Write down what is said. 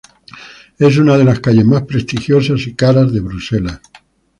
Es una de las calles más prestigiosas y caras de Bruselas.